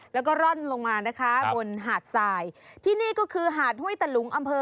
แล้วก็ร่อนลงมานะคะบนหาดทรายที่นี่ก็คือหาดห้วยตะลุงอำเภอ